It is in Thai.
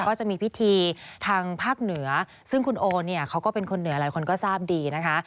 ก็จะมีพิธีทางภาคเหนือซึ่งคุณโอเนี่ยเขาก็เป็นคนเหนือหลายคนก็ทราบดีนะคะ